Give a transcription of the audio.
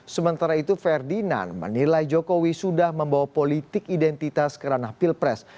sementara itu ferdinand menilai jokowi sudah membawa politik identitas kerana pilpres